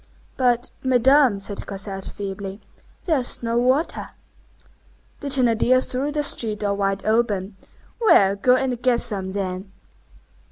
"But, Madame," said Cosette, feebly, "there is no water." The Thénardier threw the street door wide open:— "Well, go and get some, then!"